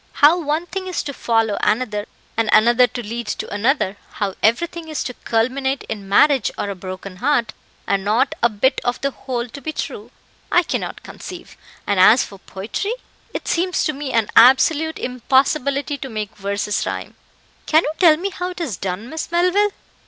How one thing is to follow another and another to lead to another how everything is to culminate in marriage or a broken heart, and not a bit of the whole to be true, I cannot conceive; and as for poetry, it seems to me an absolute impossibility to make verses rhyme. Can you tell me how it is done, Miss Melville?"